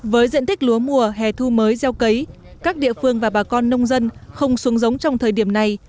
với diện tích lúa mùa hè thu mới gieo cấy các địa phương và bà con nông dân không xuống giống trong thời điểm này